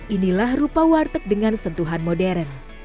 inilah rupa warteg dengan sentuhan modern